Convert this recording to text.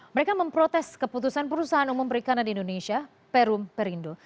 mereka memprotes keputusan perusahaan umum perikanan indonesia perum perindo